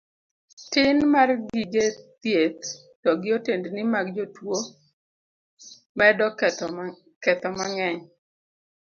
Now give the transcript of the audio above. Tin mar gige thieth to gi otendni mag jotuo medo ketho mang'eny.